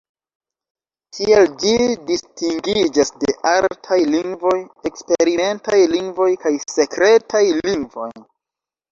Tiel ĝi distingiĝas de artaj lingvoj, eksperimentaj lingvoj kaj sekretaj lingvoj.